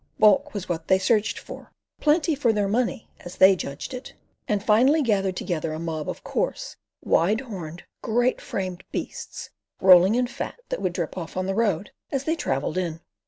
Bulk was what they searched for—plenty for their money, as they judged it, and finally gathered together a mob of coarse, wide horned, great framed beasts, rolling in fat that would drip off on the road as they travelled in.